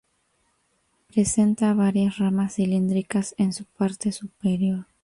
Presenta varias ramas cilíndricas en su parte superior.